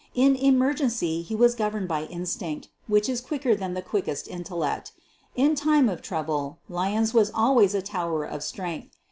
In emergency he was gov / erned by instinct, which is quicker than the quickest intellect. In time of trouble, Lyons was always a tower of strength.